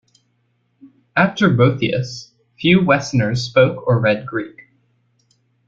After Boethius, few Westerners spoke or read Greek.